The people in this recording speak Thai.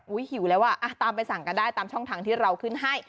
หิวแล้วอ่ะตามไปสั่งกันได้ตามช่องทางที่เราขึ้นให้